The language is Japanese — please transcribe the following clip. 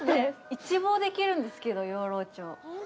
一望できるんですけど、養老町。